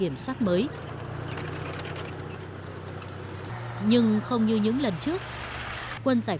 phát cầu ak nhé cầm cái cổ xuống này